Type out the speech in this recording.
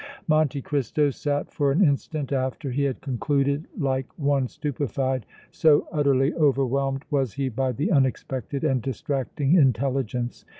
Monte Cristo sat for an instant after he had concluded like one stupefied, so utterly overwhelmed was he by the unexpected and distracting intelligence.